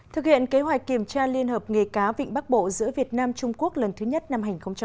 thực hiện kế hoạch kiểm tra liên hợp nghề cáo vịnh bắc bộ giữa việt nam trung quốc lần thứ nhất năm hai nghìn một mươi chín